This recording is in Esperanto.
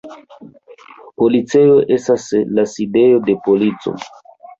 Policejo estas la sidejo de polico.